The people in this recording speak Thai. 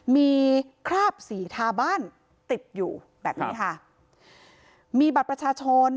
มีคราบสีทาบ้านติดอยู่แบบนี้ค่ะมีบัตรประชาชน